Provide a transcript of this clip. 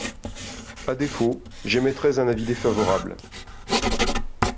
À défaut, j’émettrais un avis défavorable.